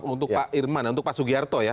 untuk pak irman untuk pak sugiharto ya